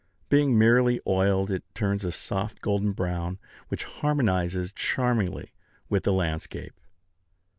Being merely oiled, it turns a soft golden brown, which harmonizes charmingly with the landscape.